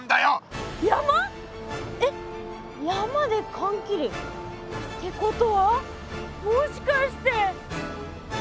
えっ山でかんきり。ってことはもしかして。